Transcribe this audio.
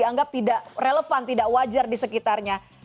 dianggap tidak relevan tidak wajar di sekitarnya